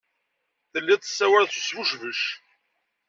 Tellid tessawaled s usbucbec.